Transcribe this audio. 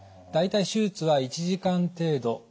大体手術は１時間程度。